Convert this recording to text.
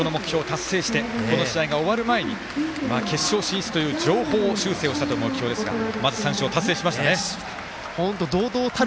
その目標を達成してこの試合が終わる前に決勝進出という上方修正をした目標ですが、３勝達成しましたね。